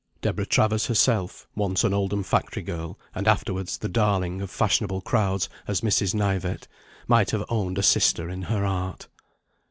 Deborah Travers herself (once an Oldham factory girl, and afterwards the darling of fashionable crowds as Mrs. Knyvett) might have owned a sister in her art.